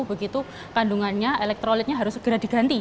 begitu kandungannya elektrolitnya harus segera diganti